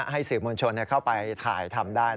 ให้สื่อมวลชนเข้าไปถ่ายทำได้